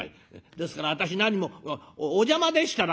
「ですから私何もお邪魔でしたら」。